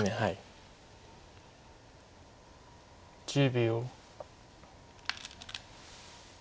１０秒。